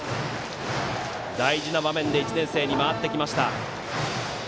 大事な場面で１年生に回ってきました。